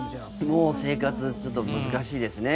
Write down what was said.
生活ちょっと難しいですね。